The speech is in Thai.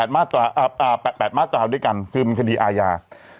๘มาตราอ่า๘๘มาตราเอาด้วยกันคือมันคดีอาญา